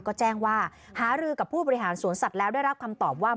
ก็แจ้งว่าหารือกับผู้บริหารสวนสัตว์แล้วได้รับคำตอบว่า